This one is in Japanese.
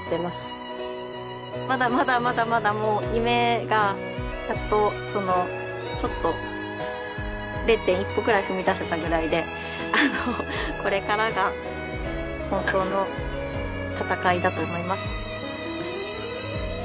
まだまだまだまだもう夢がやっとちょっと０．１歩くらい踏み出せたぐらいでこれからが本当の闘いだと思います。